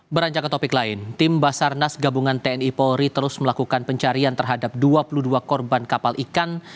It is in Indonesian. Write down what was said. beranjak ke topik lain tim basarnas gabungan tni polri terus melakukan pencarian terhadap dua puluh dua korban kapal ikan